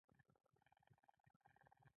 نيکه ته غوسه ورغله.